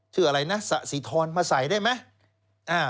ชื่ออะไรนะสะสีทรมาใส่ได้ไหม